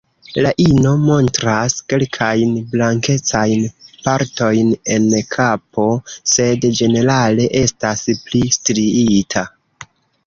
La ino montras kelkajn blankecajn partojn en kapo, sed ĝenerale estas pli striita.